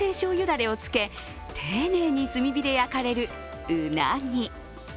だれをつけ、丁寧に炭火で焼かれるうなぎ。